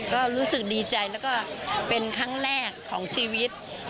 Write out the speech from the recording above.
ก็รู้สึกดีใจแล้วก็เป็นครั้งแรกของชีวิต